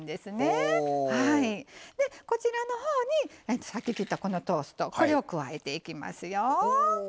でこちらのほうにさっき切ったこのトーストこれを加えていきますよ。